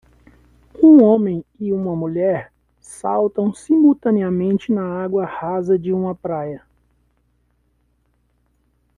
Um homem e uma mulher saltam simultaneamente na água rasa de uma praia.